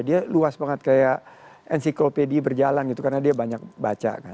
dia luas banget kayak enciklopedi berjalan gitu karena dia banyak baca kan